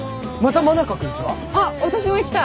あっ私も行きたい。